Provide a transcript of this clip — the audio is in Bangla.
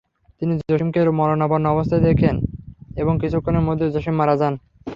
তিনি জসিমকে মরণাপন্ন অবস্থায় দেখেন এবং কিছুক্ষণের মধ্যেই জসিম মারা যান।